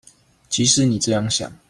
即使你這樣想